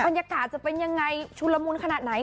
บรรยากาศจะเป็นยังไงชุนละมุนขนาดไหน